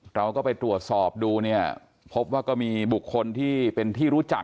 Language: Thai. เราก็ไปตรวจสอบดูเนี่ยพบว่าก็มีบุคคลที่เป็นที่รู้จัก